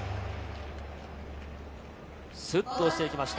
スッと落ちていきました。